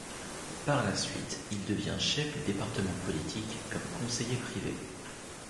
Par la suite, il devient chef du Département politique comme conseiller privé.